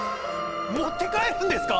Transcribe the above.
持って帰るんですか？